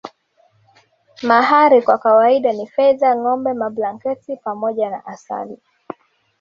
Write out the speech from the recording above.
Mahari kwa kawaida ni fedha ngombe mablanketi pamoja na asali